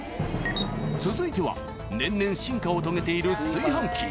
［続いては年々進化を遂げている炊飯器］